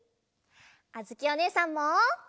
あづきおねえさんも。